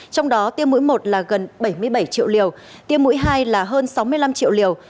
trong đó tiêm mũi một là gần bảy mươi bảy triệu liều tiêm mũi hai là hơn sáu mươi năm triệu liều